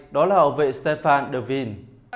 đó là hậu vệ stefan de vries